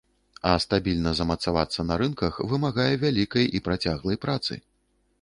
А стабільна замацавацца на рынках вымагае вялікай і працяглай працы.